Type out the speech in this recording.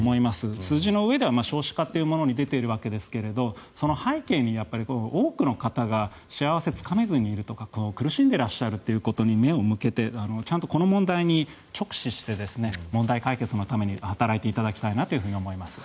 数字の上では少子化というものに出ているわけですがその背景に多くの方が幸せをつかめずにいるとか苦しんでいらっしゃることに目を向けてちゃんとこの問題を直視して問題解決のために働いていただきたいなと思います。